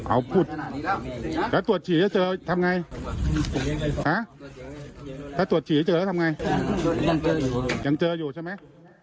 เอาพูดแล้วตรวจฉีกเจอจะทำไง